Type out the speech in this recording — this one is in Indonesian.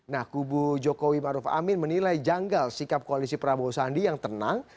nah kubu jokowi maruf amin menilai janggal sikap koalisi prabowo sandi yang tenang